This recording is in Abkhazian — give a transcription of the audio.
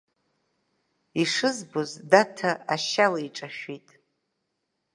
Ишызбоз Даҭа ашьа леиҿашәит.